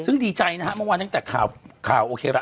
ซึ่งดีใจนะฮะเมื่อวานตั้งแต่ข่าวข่าวโอเคละ